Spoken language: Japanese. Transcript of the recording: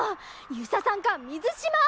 遊佐さんか水嶋！